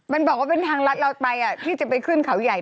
มันบอกว่าเป็นทางรัฐเราไปที่จะไปขึ้นเขาใหญ่